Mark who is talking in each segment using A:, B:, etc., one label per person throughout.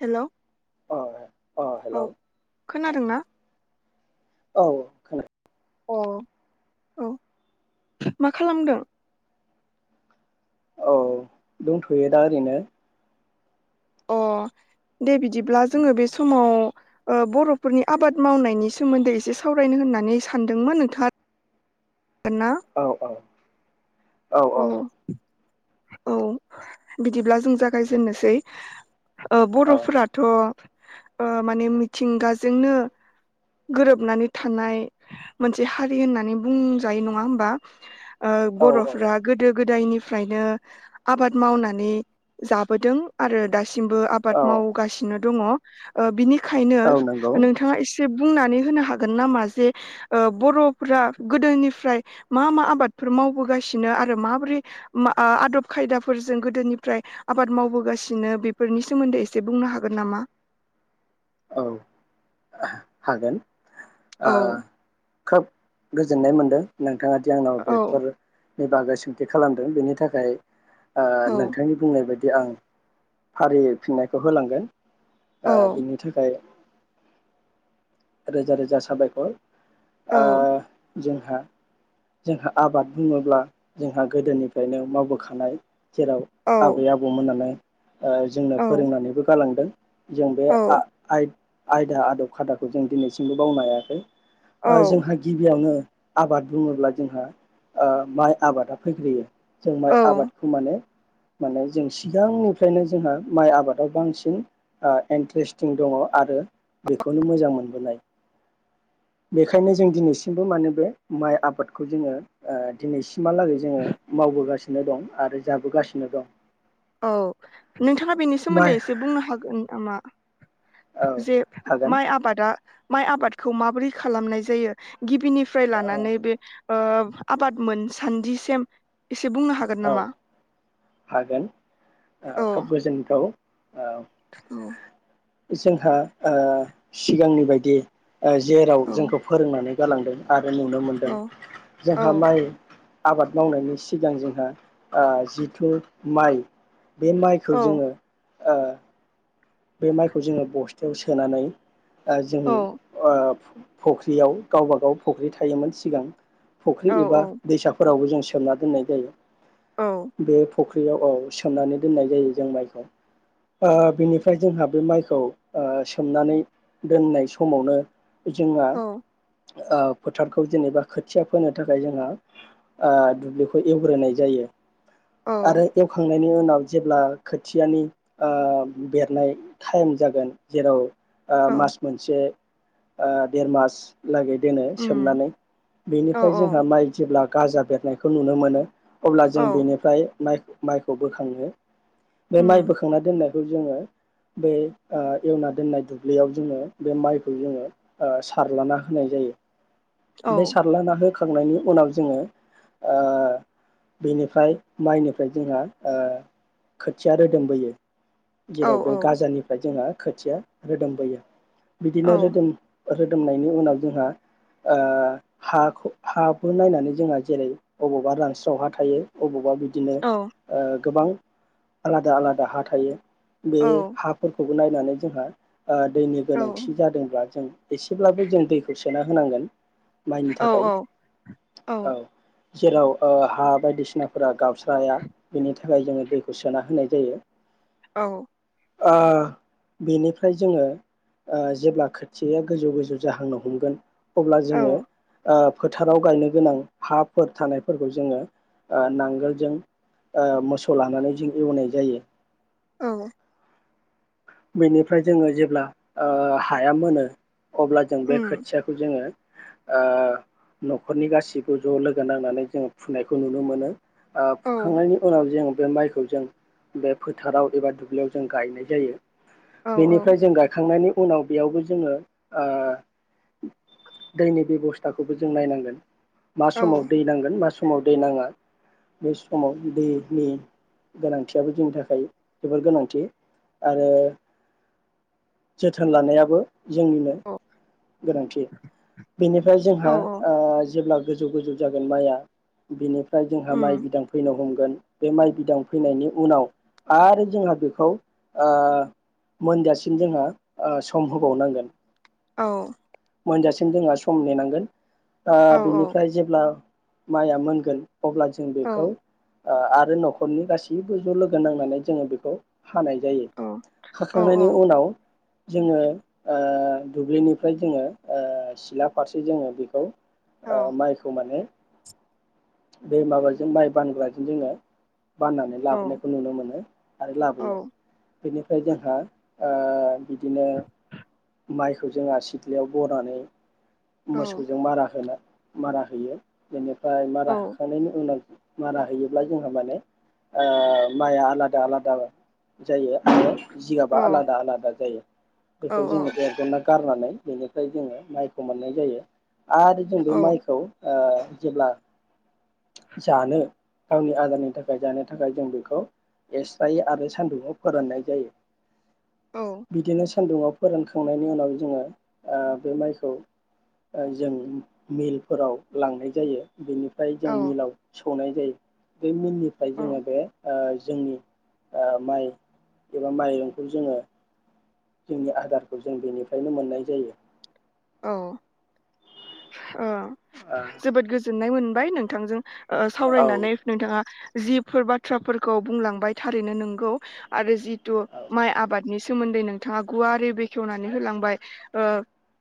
A: Hello
B: अ अ
A: औ
B: हेलौ
A: खोनादोंना?
B: औ खोना [unintelligible]
A: अ औ मा खालामदों?
B: औ दंथ'यो दा ओरैनो
A: अ दे बि- दिब्ला जोङो बे समाव अ बर'फोरनि आबाद मावनायनि सोमोन्दै एसे सावरायनो होननानै सानदोंमोन नोंथां [unintelligible]
B: औ औ औ
A: अ
B: औ
A: औ बिदिब्ला जों जागायजेेननोसै अ बर'फोराथ' अ माने मिथिंगाजोंनो गोरोबनानै थानाय मोनसे हारि होननानै बुंजायो नङा होमबा अ
B: औ
A: बर' फ्रा गोदो गोदायनि- फ्रायनो आबाद मावनानै जाबोदों आरो दा सिमबो आबाद
B: औ
A: मावगासिनो दङ अ बिनि खायनो
B: औ नंगौ
A: नोंथाङा एसे बुंनानै होनो हागोन नामा जे अ बर'फोरा गोदोनिफ्राय मा मा आबादफोर मावबोगासि नो आरो माबोरै मा आ-आदब खायदाफोरजों गोदोनिफ्राय आबाद मावबोगासिनो बेफोरनि सोमोन्दै एसे बुंनो हागोन नामा?
B: औ हागोन अ
A: औ
B: खोब गो जोन्नाय मोन्दों नों थाङा दि आंनाव
A: औ
B: बेफोर नि बागै सोंथि खालामदों बेनि थाखाय अ
A: औ
B: नोंथांनि बुंनाय बाय दि आं फारियै फिननायखौ होलांगोन।
A: औ
B: बिनि थाखाय रोजा रोजा साबायखर [inaudible]
A: औ
B: [unintelligible] जोंहा जोंहा आबाद बुङोब्ला जोंहा गोदोनिफ्रायनो मावबोखानाय। जेराव आबै आबौमोनाल जोंनो
A: औ
B: फोरोंनानैबो गालांदों जों बे
A: औ
B: आयदा आदब खायदाखौ जों दिनैसिमबो बावनो हायाखै
A: औ
B: जोंहा गिबियावनो आबाद बुङोब्ला जोंहा ओ माइ आबादा फैग्रोयो जों माइ
A: औ
B: आबादखौ माने माने जों सिगांनिफ्रायनो जोंहा माइ आबादाव बांसिन ओ इन्टारेस्ट दङ आरो बेखौनो मोजां मोनबोनाय बेखायनो जों दिनैसिमबो माने बे माइ आबादखौ जोङो ओ दिनैसिम [unintelligible] जोङो मावबोगासिनो नो दं आरो जाबोगासिनो दं
A: औ नोंथाङा बेनि
B: माइ
A: सोमोन्दै एसे बुंनो हागोन नामा?
B: औ
A: जे
B: हागोन
A: माइ आबादा माइ आबादखौ माबोरै खालामनाय जायो गिबिनिफ्राय
B: औ
A: लानानै बे आबाद मोनसान्दिसिम एसे बुंनो हागोन
B: औ
A: नामा?
B: हागोन
A: औ
B: खोब गोजोनथाव औ औ
A: औ
B: जोंहा ओ सिगांनि बायदि ओ जेराव
A: औ
B: जोंखौ फोरोंनानै गालांदों आरो नुनो
A: औ
B: मोनदों जोंहा माइ आबाद मावनायनि सिगां जों ओ जिथु माइ बे
A: औ
B: माइखौ जोङो ओ बे माइखौ जोङो बस्थायाव सोनानै ओ जों ओ फख्रियाव गावबा गाव फख्रि थायोमोन सिगां फुख्रि
A: औ
B: एबा दैसाफोरावबो जों सोमना दोननाय जायो बे फुख्रियाव औ सोमनानै दोननाय जायो जों माइखौ ओ बेनिफ्राय ओमफ्राय जोंहा बे माइखौ ओ सोमनानै दोननाय समावनो जोङा
A: औ
B: ओ फोथारखौ जेनेबा खोथिया फोनो थाखाय जोंहा ओ दुब्लिखौ एवग्रोनाय जायो आरो एवखां नायनि उनाव जेब्ला खोथियानि ओ बेरना नाय टाइम जागोन जेराव ओ
A: औ
B: मास मोनसे ओ देर मास लागै दोनो
A: उम
B: सोमनानै
A: औ
B: बेनिफ्राय जोंहा माइ जेब्ला गाजा बेरनायखौ नुनो मोनो। अब्ला जों
A: औ
B: बेनिफ्राय माइ माइखौ बोखाङो बे माइ
A: उम
B: बोखांना दोननाय खौ जोङो बे ओ एवना दोननाय दुब्लियाव जोङो बे माइखौ जोङो ओ सारलाना होनाय जायो।
A: औ
B: बे सारलाना हो होखांनायनि उनाव जोङो ओ बिनिफ्राय माइनिफ्राय जोंहा ओ खोथिया रोदोमबोयो।
A: औ
B: जेराव
A: औ
B: बे गाजानिफ्राय जोङो खोथिया रोदोमबोयो
A: औ
B: बिदिनो रोदोम रोदोमनायनि उनाव जोंहा ओ हाखौ हाखौ नायनानै जोंहा जेरै अबावबा रानस्राव हा थायो अबावबा बिदिनो ओ गोबां आलादा आलादा हा थायो बे हाफोरखौ नायनानै जोंहा ओ दैनि
A: औ
B: गोनांथि जादोंब्ला जों एसेब्लाबो जों दैखौ सोना होनांगोन माइनि
A: औ
B: थाखाय
A: औ औ
B: जेराव ओ हा बायदिसिनाफोरा गावसा बाया बिनि थाखाय जोङो दैखौ खौ सोना होनाय जायो।
A: औ
B: ओ बेनिफ्राय जोङो ओ जेब्ला खोथिया गोजौ गोजौ जाहांनो हमगोन अब्ला जोङो
A: औ
B: ओ फोथाराव गायनो गोनां हाफोर थानायफोरखौ जोङो ओ नांगोलजों ओ मोसौ लानानै जों एवनाय जायो।
A: औ
B: बेनिफ्राय जोङो जेब्ला ओ हाया मोनो अब्ला जों बे
A: उम
B: खोथियाखौ जोङो ओ न'खरनि गासैबो ज' लोगो नांनानै जों फुनायखौ नुनो मोनो ओ
A: औ
B: फुखांनायनि उनाव जों बे माइखौ जों बे फोथाराव एबा दुब्लियाव जों गायनाय जायो।
A: औ
B: बेनिफ्राय जों गायखांनायनि उनाव बेयावबो जोङो ओ दैनि बेब'स्थाखौबो जों नायनांगोन। मा समाव
A: औ
B: दै नांगोन मा समाव समाव दै नाङा बे समाव दैनि गोनांथियाबो जोंनि थाखाय जोबोर गोनांथि। आरो जोथोन लानायाबो जोंनिनो
A: औ
B: गोनांथि बेनिफ्राय
A: औ
B: जोंहा
A: औ
B: ओ जेब्ला गोजौ गोजौ जागोन माइया बेनिफ्राय ओमफ्राय जोंहा माइ
A: उम
B: बिदां फैनो हमगो बे माइ बिदां फैनायनि उनाव आरो जोंहा बेखौ ओ मोनजासे सिम जोंहा ओ सम होबावनांगोन।
A: औ।
B: मोनजासिम जोंहा सम नेनांगोन। ओ
A: औ
B: बिनिफ्राय जेब्ला माइया मोनगोन। अब्ला जों
A: औ
B: बेखौ ओ आरो न'खरनि गासैबो ज' लोगो नांनानै जोङो बेखौ हानाय जायो
A: औ औ
B: हाखांनायनि उनाव जोङो ओ ओ दुब्लिनिफ्राय जोङो ओ सिला फारसे जोङो बेखौ
A: औ
B: ओ माइखौ माने बे माबाजों माइ बानग्राजों जोङो बाननानै
A: औ
B: लाबोनायखौ नुनो मोनो आरो लाबोयो।
A: औ औ
B: बेनिफ्राय जोंहा ओ बिदिनो माइखौ जोंहा सिथ्लायाव बनानै मोसौजों मारा होनो मारा होयो बेनि- -फ्राय मारा
A: औ
B: होखांनायनि उनाव मारा होयोब्ला जोंहा माने ओ माइआ आलादा आलादा जायो आरो जिगाबा आलादा आलादा जायो बेखौ जोङो
A: औ
B: एरगना गारनानै बेनि- -फ्राय जोङो माइखौ मोननाय जायो आरो जों बे माइखौ ओ जेब्ला जानो गावनि आदारनि थाखाय जानो थाखाय जों बेखौ एस्रायो आरो सान्दुंङाव फोराननाय जायो बिदिनो सान्दुङाव फोरानखांनायनि उनाव जोङो ओ बे माइखौ ओ जों मिलफोराव लांनाय जायो। बेनिफ्राय जों मिलाव स सौनाय जायो। बे मिलनिफ्राय जोङो बे ओ जोंनि ओ माइ एबा माइरंखौ जोङो जोंनि आदारखौ जों बेनिफ्रायनो मोननाय जायो।
A: औ ओ जोबोद गोजोननाय मोन बाय नोंथांजों ओ
B: ओ
A: सावरायनानै नोंथाङा जिफोर बाथ्राफोरखौ बुंलांबाय थारैनो नंगौ आरो जि तु
B: औ
A: माय आबाद नि सोमोन्दै नोंथाङा गुवारै बेखेवनानै होलांबाय ओ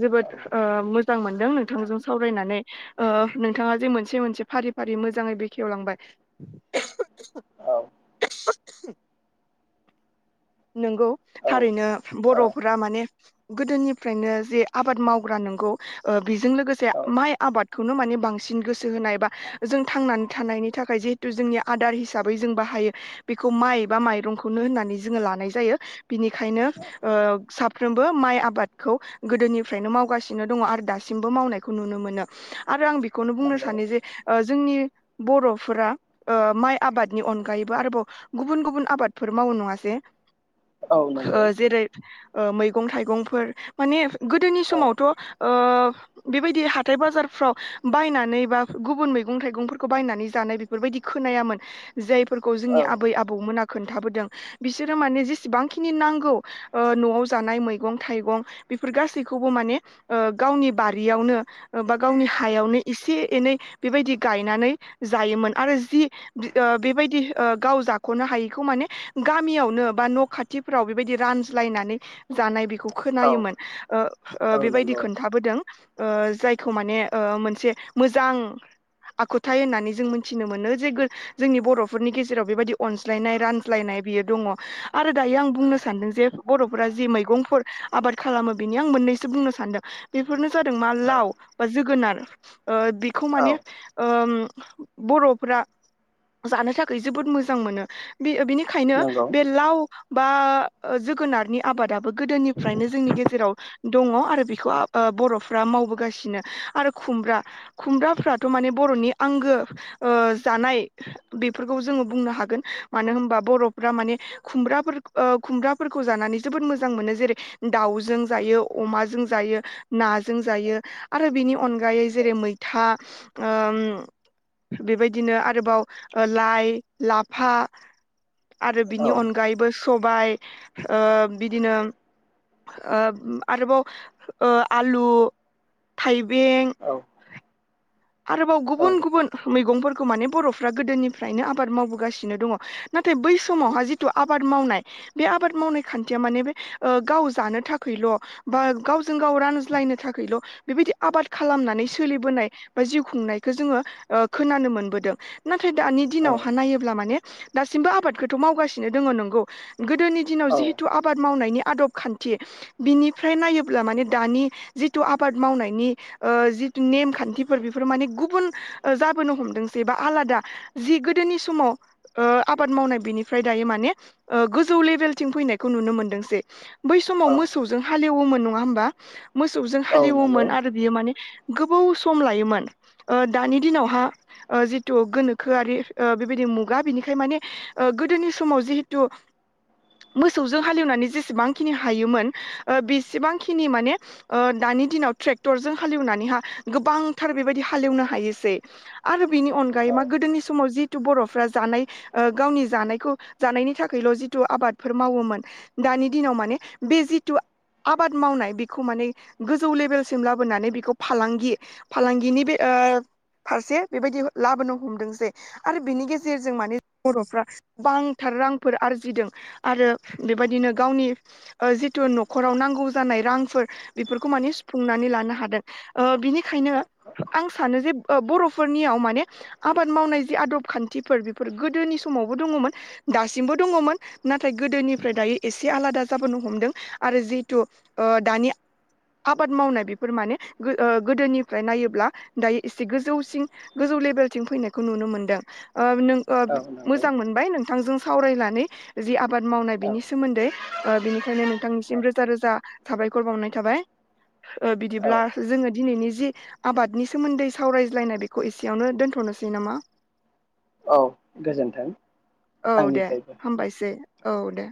A: जोबोद ओ मोजां मोनदों नोंथांजों सावरायनानै ओ नोंथाङा जे मोनसे मोनसे फारि फारि मोजाङै बेखेवलांबाय। [unintelligible] [unintelligible]
B: औ
A: नंगौ
B: औ
A: थारैनो
B: औ
A: बर'फोरा माने गोदोनिफ्रायनो जे आबाद मावग्रा नोंगौ ओ बेजों लोगोसे
B: औ
A: माइ आबाद खौनो माने बांसिन गोसो होनाय बा जों थांनानै थानायनि थाखाय जिहेथु जोंनि आदार हिसाबै जों बाहायो बेखौ माइ एबा माइरंखौनो होननानै ज जों लानाय जायो बिनिखायनो ओ साफ्रोमबो माइ आबादखौ गोदोनिफ्रायनो मावगासिनो दङ आरो दासिमबो मावनायखौ नुनो मोनो आरो आं बे खौनो बुंनो
B: नंगौ
A: सानो जे ओ ज जोंनि बर'फोरा ओ माइ आबादनि अनगायैबो आरोबाव गुबुन गुबुन आबादफोर मावो नङास दे
B: औ
A: ओ
B: नंगौ
A: जेरै ओ मैगं-थाइगंफोर माने गोदोनि
B: औ
A: समावथ' ओ बेबायदि हाथाय बाजारफ्राव बायनानै बा गुबुन मैगं-थाइगंफोरखौ बायनानै जानाय बेफोरबायदि खोनायामोन। जायफोरखौ
B: औ
A: जोंनि आबै-आबौमोना खोन्थाबोदों। बिसोरो माने जेसेबांखिनि नांगौ ओ न'आव जानाय मैगं-थाइगं बेफोर गासैखौबो माने ओ गावनि बारियावनो ओ बा गावनि हायावनो एसे एनै बेबायदि गायनानै जायोमोन आरो जि बे ओ बेबायदि ओ गाव जाख'नो हायिखौ माने गामियावनो बा न' खाथिफोराव बेबायदि रानज्लायनानै जानाय बिख खौ
B: औ
A: खोनायोमोन ओ ओ
B: औ
A: बेबायदि
B: नंगौ
A: खोन्थाबोदों। ओ जायखौ माने ओ मोनसे मोजां आखुथाय होननानै जों मिथिनो मोनो जे जोंनि बर'फोरनि गेजेराव बेबायदि अनज्लायनाय रानज्लायनाय बियो दङ आरो दायो आं बुंनो
B: औ
A: सानदों जे बर' फ्रा जि मैगंफोर आबाद खालामो बिनि आं मोनैनो सानदों। बेफोरनो जादों मा लाव
B: औ
A: बा जोगोनार। [inaudible] ओ बेखौ
B: औ
A: माने ओम बर'फ्रा जानो थाखाय जोबोद मोजां मोनो बे बिनि खायनो
B: नंगौ
A: बे लाव बा जोगोनारनि आबादा गोदोनिफ्रायनो जोंनि गेजेराव दङ आरो बेखौ बर'फ्रा मावबोगासिनो आरो खुमब्रा खुमब्राफ्राथ' माने बर'नि आंगो ओ जानाय बेफोरखौ जोङो बुंनो हागोन मानो होनबा बर'फ्रा माने खुमब्रा ओ खुमब्राफोरखौ जानानै जोबोद मोजां मोनो जेरै दाउजों जायो अमाजों जायो नाजों जायो आरो बिनि अनग गायै जेरै-मैथा। ओम बेबायदिनो आरोबाव ओ लाइ-लाफा। आरो
B: औ
A: बिनि अनगायैबो सबाय ओ बिदिनो ओ आरोबाव ओ आलु थाइ बें। आरोबाव
B: औ
A: गुबुन गुबुन मैगंफोरखौ माने बर'फ्रा गोदोनिफ्रायनो आबाद मावबोगासिनो दङ नाथाय बै समावहा जिथु आबाद मावनाय बे आबाद मावनाय खान्थिया माने बे गाव जानो थाखायल' बा गावजों गाव रानज्लायनो थाखल' बेबायदि आबाद खालामनानै सोलिबोनाय बा जिउ खुंनायखौ जोङो ओ खोनानो मोनबोदों। नाथाइ ओमफ्राय दानि दिनावहा नायोब्ला माने दासिमबो आबादखौथ' मावगासिनो दङ नंगौ। गोदोनि दिनाव
B: औ
A: जिहेतु आबाद मावनायनि आदब खान्थि बिनिफ्राय नायोब्ला माने दानि जिथु आबाद मावनायनि ओ जि नेम खान्थि बेफोर बेफोरो माने गुबुन जाबोनो हमदोंसै बा आलादा जि गोदोनि समाव ओ आबाद मावनाय बिनिफ्राय दायो माने गोजौ लेभेलथिं फैनायखौ नुनो मोनदोंसै। बै समाव
B: औ
A: मोसौजों हालेवोमोन नङा होमबा? मोसौजों
B: औ नंगौ
A: हालेवोमोन आरो बियो माने गोबाव स सम लायोमोन ओ दानि दिनावहा ओ जिथु गोनोखोआरि ओ बेबायदि मुगा बिनिखाय माने ओ गोदोनि समाव जिहेथु मोसौजों हालेवनानै जेसेबांखिनि हायोमोन ओ बेसेबांखिनि माने ओ दानि दिनाव ट्रेक्टरजों हालेवनानैहा गोबांथार बेबायदि हालेवनो हायोसै आरो बिनि अनगायै
B: औ
A: मा गोदोनि समाव जिथु बर'फ्रा जानाय ओ गावनि जानायखौ जानायनि थाखायल' जिथु आबादफोर मावोमोन दानि दिनाव माने बे जिथु आबाद मावनाय बेखौ माने गोजौ लेभेलसिम लाबोनानै बेखौ फालांगि फालांगिनि बे ओ फारसे बेबायदि लाबोनो हमदों जे आरो बिनि गेजेरजों माने बर'फ्रा गोबांथार रांफोर आरजिदों आरो बेबायदिनो गावनि ओ जिथु न'खराव नांगौ जानाय रांफोर बेफोरखौ माने सुफुंनानै लानो हादों ओ बिनि बेखायनो आं सानो जे बर'फोरनियाव माने आबाद मावनाय जि आदब खान्थिफोर बेफोर गोदोनि समावबो दङमोन दासिमबो दङमोन नाथाय गोदोनिफ्राय दायो एसे आलादा जाबोनो हमदों आरो जिहेथु ओ दानि आबाद मावनाय बेफोर माने ओ गोदोनिफ्राय नायोब्ला दायो एसे गोजौसि गोजौ लेभेलथिं फैनायखौ नुनो मोनदों। ओ नों ओ
B: औ नंगौ
A: मोजां मोनबाय नों नोंथां जों सावरायनानै जि आबाद मावनाय
B: औ
A: बिनि सोमोन्दै बिनिखायनो नोंथांनिसिम
B: औ
A: रोजा रोजा साबायखर बावनाय थाबाय
B: औ
A: बिदिब्ला जोङो दिनैनि जि आबादनि सोमोन्दै सावरायज्लायनाय बेखौ एसेयावनो दोनथ'नोसै नामा
B: औ गोजोन्थों
A: औ दे
B: आंनिफ्रायबो।
A: हामबायसै औ दे